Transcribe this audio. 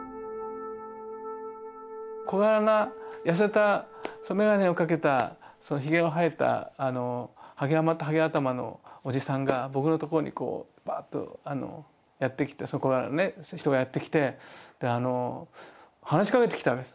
小柄な痩せた眼鏡をかけたひげの生えたはげ頭のおじさんが僕のところにバーッとやって来て小柄なね人がやって来て話しかけてきたわけです。